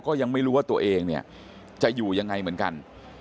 ก็ยังไม่รู้ว่าตัวเองเนี่ยจะอยู่ยังไงเหมือนกัน